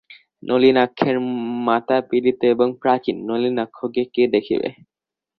নলিনাক্ষের মাতা পীড়িত এবং প্রাচীন, নলিনাক্ষকে কে দেখিবে?